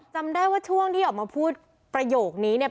จำได้ว่าช่วงที่ออกมาพูดประโยคนี้เนี่ย